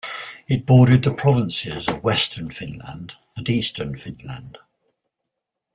It bordered the provinces of Western Finland and Eastern Finland.